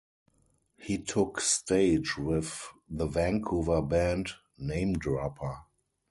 He took stage with the Vancouver band Namedropper.